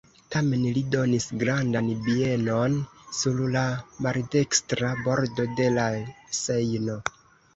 Tamen li donis grandan bienon sur la maldekstra bordo de la Sejno.